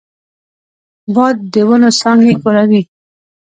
باد د ونو څانګې ښوروي